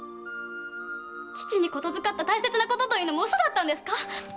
父に言づかった大切なことというのも嘘だったんですか？